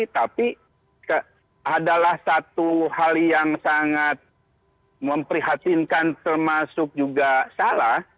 tapi adalah satu hal yang sangat memprihatinkan termasuk juga salah